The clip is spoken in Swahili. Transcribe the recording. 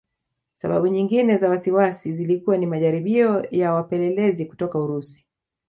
Sababu nyingine za wasiwasi zilikuwa ni majaribio ya wapelelezi kutoka Urusi